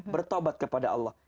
bertawabat kepada allah